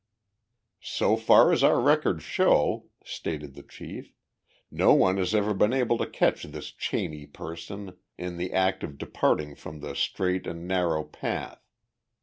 "So far as our records show," stated the chief, "no one has ever been able to catch this Cheney person in the act of departing from the straight and narrow path.